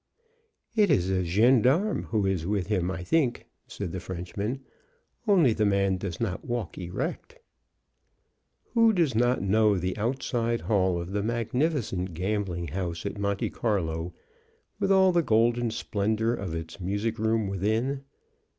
"It is a gendarme who is with him, I think," said the Frenchman, "only the man does not walk erect." Who does not know the outside hall of the magnificent gambling house at Monte Carlo, with all the golden splendor of its music room within?